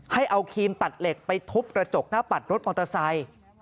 ให้เอาครีมตัดเหล็กไปทุบกระจกหน้าปัดรถมอเตอร์ไซค์